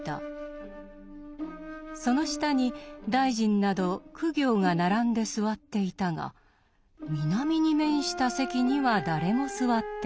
その下に大臣など公卿が並んで座っていたが南に面した席には誰も座っていない。